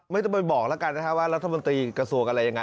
ไม่ต้องไปบอกแล้วกันนะครับว่ารัฐมนตรีกระทรวงอะไรยังไง